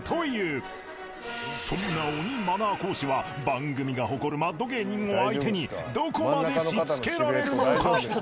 そんな鬼マナー講師は番組が誇るマッド芸人を相手にどこまでしつけられるのか？